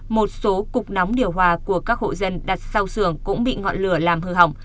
một số cục nóng điều hòa của các hộ dân đặt sau xưởng cũng bị ngọn lửa làm hư hỏng